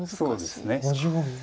そうですね。